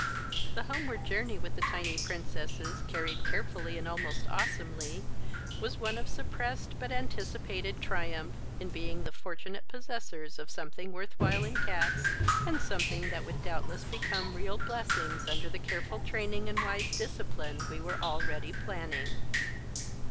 The homeward journey, with the tiny princesses carried carefully and almost awesomely, was one of suppressed, but anticipated triumph, in being the fortunate possessors of something worth while in cats and something that would doubtless become real blessings under the careful training and wise discipline we were already planning.